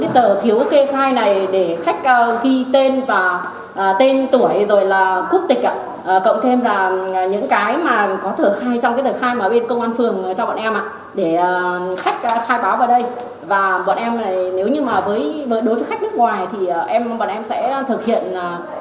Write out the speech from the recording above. đối với khách nước ngoài thì bọn em sẽ thực hiện khai báo tạm trú trực tuyến